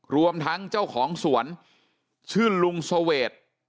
รวมทั้งเจ้าของสวนชื่อลุงเสวด